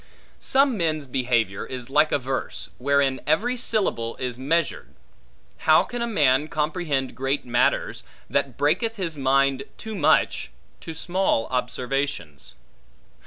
Some men's behavior is like a verse, wherein every syllable is measured; how can a man comprehend great matters, that breaketh his mind too much, to small observations?